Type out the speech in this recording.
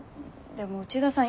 でも内田さん